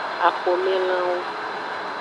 Axomelanwo.